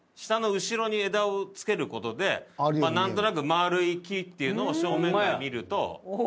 下の後ろに枝を付ける事でなんとなく丸い木っていうのを正面から見ると。